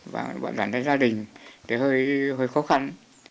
và bọn đàn gia đình thì hơi khó khăn